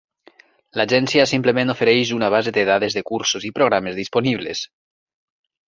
L'agència simplement ofereix una base de dades de cursos i programes disponibles.